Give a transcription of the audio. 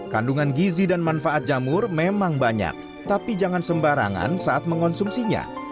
kandungan gizi dan manfaat jamur memang banyak tapi jangan sembarangan saat mengonsumsinya